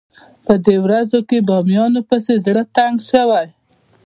په دې ورځو کې بامیانو پسې زړه تنګ شوی.